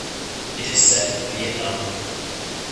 It is set in Vietnam.